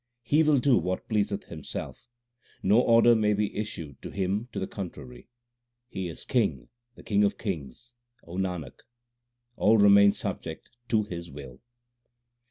He will do what pleaseth Himself ; no order may be issued to Him to the contrary. He is King, the King of kings, O Nanak ; all remain subject to His will.